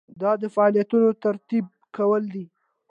دا د فعالیتونو ترتیب کول دي.